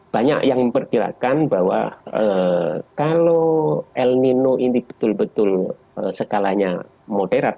banyak yang memperkirakan bahwa kalau el nino ini betul betul skalanya moderat